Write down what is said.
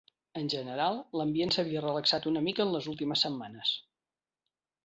En general, l'ambient s'havia relaxat una mica en les últimes setmanes.